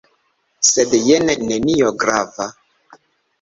Sed jen nenio grava.